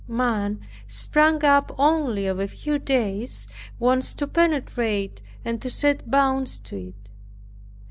Man, sprung up only of a few days, wants to penetrate, and to set bounds to it.